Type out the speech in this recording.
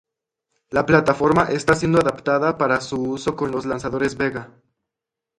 La plataforma está siendo adaptada para su uso con los lanzadores Vega.